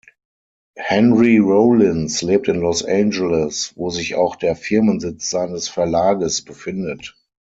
Henry Rollins lebt in Los Angeles, wo sich auch der Firmensitz seines Verlages befindet.